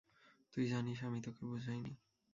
তুই জানিস, আমি তোকে বুঝাইনি।